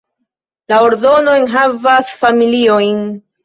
La ordo enhavas familiojn.